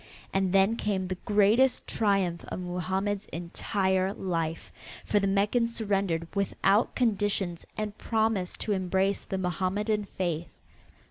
And then came the greatest triumph of Mohammed's entire life, for the Meccans surrendered without conditions and promised to embrace the Mohammedan faith.